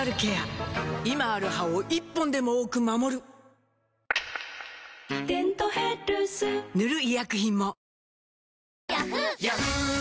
今ある歯を１本でも多く守る「デントヘルス」塗る医薬品も